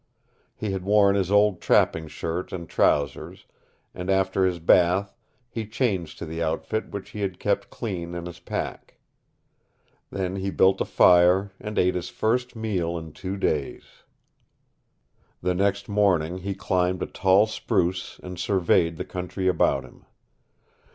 He had worn his old trapping shirt and trousers, and after his bath he changed to the outfit which he had kept clean in his pack. Then he built a fire and ate his first meal in two days. The next morning he climbed a tall spruce and surveyed the country about him.